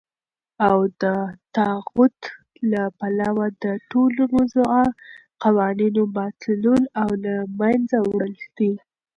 او دطاغوت له پلوه دټولو موضوعه قوانينو باطلول او له منځه وړل دي .